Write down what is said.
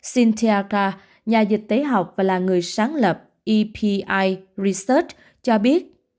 cynthia kha nhà dịch tế học và là người sáng lập epi research cho biết